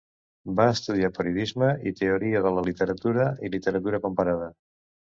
Va estudiar Periodisme i Teoria de la Literatura i Literatura Comparada.